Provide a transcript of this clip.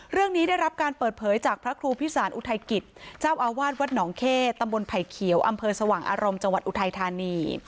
ได้รับการเปิดเผยจากพระครูพิสารอุทัยกิจเจ้าอาวาสวัดหนองเข้ตำบลไผ่เขียวอำเภอสว่างอารมณ์จังหวัดอุทัยธานี